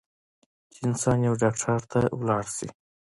چې انسان يو ډاکټر له لاړشي